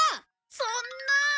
そんな。